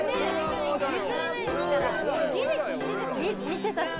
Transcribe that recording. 見てたし。